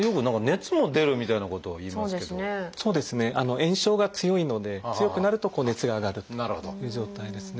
炎症が強いので強くなると熱が上がるという状態ですね。